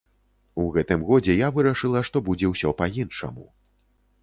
У гэтым годзе я вырашыла, што будзе ўсё па-іншаму.